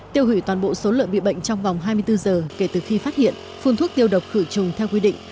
tiêu hủy toàn bộ số lợn bị bệnh trong vòng hai mươi bốn giờ kể từ khi phát hiện phun thuốc tiêu độc khử trùng theo quy định